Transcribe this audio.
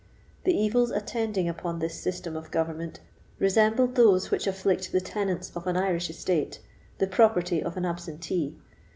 The evils attending upon this system of government resembled those which afflict the tenants of an Irish estate, the property of an absentee.